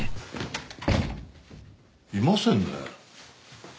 いませんね。